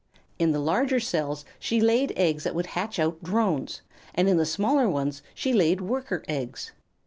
In the larger cells she laid eggs that would hatch out Drones, and in the smaller ones she laid Worker eggs.